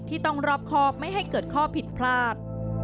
ต้องรอบครอบไม่ให้เกิดข้อผิดพลาด